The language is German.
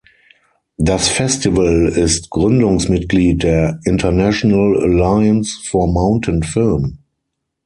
Das Festival ist Gründungsmitglied der International Alliance for Mountain Film.